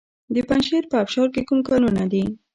د پنجشیر په ابشار کې کوم کانونه دي؟